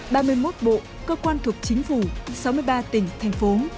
ba mươi một bộ cơ quan thuộc chính phủ sáu mươi ba tỉnh thành phố